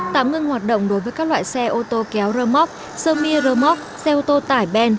tạm ngưng hoạt động đối với các loại xe ô tô kéo rơ móc sơ mi rơ móc xe ô tô tải ben